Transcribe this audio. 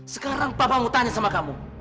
sekarang bapak mau tanya sama kamu